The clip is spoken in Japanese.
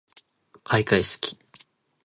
開会式